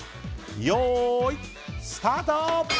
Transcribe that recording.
よーいスタート！